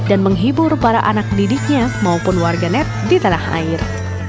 dan menghibur para anak didiknya maupun warga net di tanah air